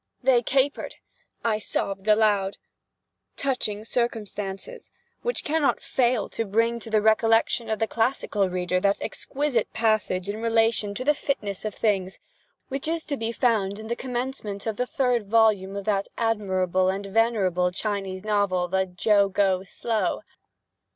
They capered—I sobbed aloud. Touching circumstances! which cannot fail to bring to the recollection of the classical reader that exquisite passage in relation to the fitness of things, which is to be found in the commencement of the third volume of that admirable and venerable Chinese novel the Jo Go Slow.